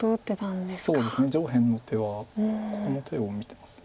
そうですね上辺の手はこの手を見てます。